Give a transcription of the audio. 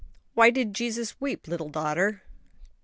'" "Why did Jesus weep, little daughter?"